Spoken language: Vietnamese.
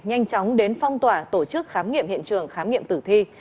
nhanh chóng đến phong tỏa tổ chức khám nghiệm hiện trường khám nghiệm tử thi